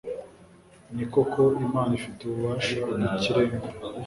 ni koko, imana ifite ububasha bw'ikirenga